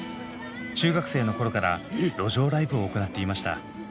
中学生の頃から路上ライブを行っていました。